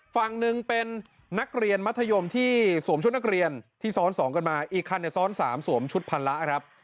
ฝั่งหนึ่งเป็นนักเรียนมัธยมที่สวมชุดนักเรียนที่ซ้อน๒กันมาอีกคันซ้อน๓สวมชุดพันละครับ